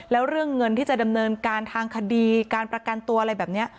แล้วเรื่องเงินที่จะดำเนินการทางคดีการประกันตัวอะไรแบบนี้